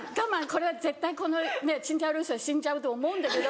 これは絶対このチンジャオロースーは死んじゃうと思うんだけど。